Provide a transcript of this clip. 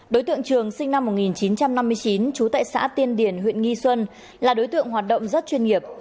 đối tượng trường sinh năm một nghìn chín trăm năm mươi chín trú tại xã tiên điển huyện nghi xuân là đối tượng hoạt động rất chuyên nghiệp